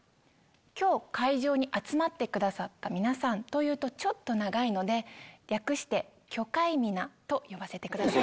「今日会場に集まってくださった皆さん」というとちょっと長いので略して「キョカイミナ」と呼ばせてください。